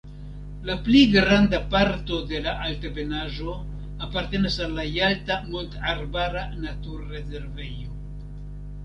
La pli granda parto de la altebenaĵo apartenas al la Jalta mont-arbara naturrezervejo.